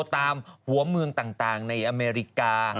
ตามหัวเมืองต่างในอเมริกา